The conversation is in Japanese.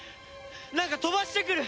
なんか飛ばしてくる！